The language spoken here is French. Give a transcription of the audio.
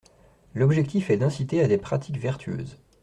L’objectif est d’inciter à des pratiques vertueuses.